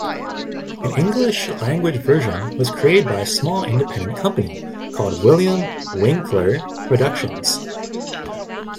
An English-language version was created by a small independent company called William Winckler Productions.